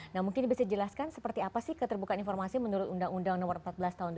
nah mungkin bisa dijelaskan seperti apa sih keterbukaan informasi menurut undang undang nomor empat belas tahun dua ribu